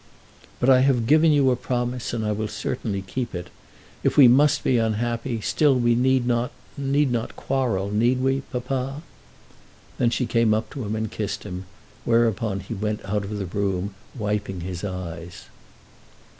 "But I have given you a promise, and I certainly will keep it. If we must be unhappy, still we need not, need not quarrel; need we, papa?" Then she came up to him and kissed him, whereupon he went out of the room wiping his eyes.